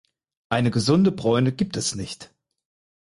Eine gesunde Bräune gibt es nicht.